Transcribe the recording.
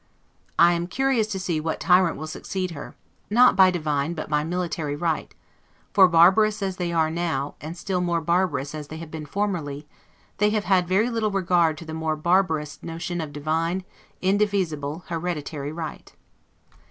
I am curious to see what tyrant will succeed her, not by divine, but by military right; for, barbarous as they are now, and still more barbarous as they have been formerly, they have had very little regard to the more barbarous notion of divine, indefeasible, hereditary right.